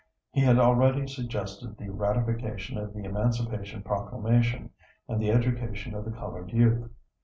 He had already suggested the ratification of the Emancipation Proclamation and the education of the colored youth.